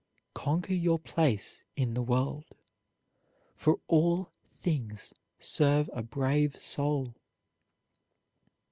Conquer your place in the world, for all things serve a brave soul.